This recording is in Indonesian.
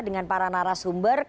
dengan para narasumber